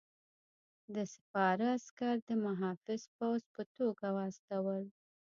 ده سپاره عسکر د محافظ پوځ په توګه واستول.